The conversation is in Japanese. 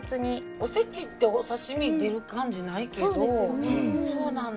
おせちってお刺身出る感じないけどそうなんだ。